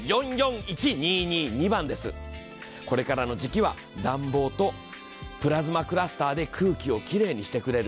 これからの時期は暖房とプラズマクラスターで空気をきれいにしてくれる。